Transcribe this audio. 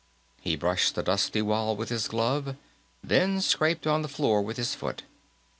He brushed the dusty wall with his glove, then scraped on the floor with his foot.